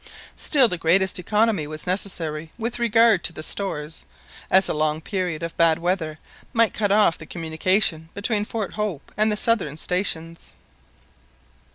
Still the greatest economy was necessary with regard to the stores, as a long period of bad weather might cut off the communication between Fort Hope and the southern stations.